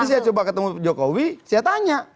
saya coba ketemu jokowi saya tanya